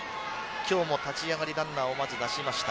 今日も立ち上がりランナーをまず出しました。